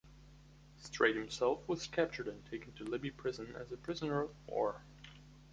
Streight himself was captured and taken to Libby Prison as a prisoner of war.